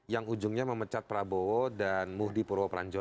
yang ujungnya memecat prabowo dan muhdi purwopranjono